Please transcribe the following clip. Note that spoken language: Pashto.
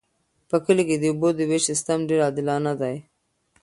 په کلي کې د اوبو د ویش سیستم ډیر عادلانه دی.